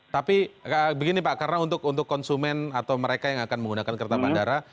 tapi begini pak karena untuk konsumen atau mereka yang akan menggunakan kereta bandara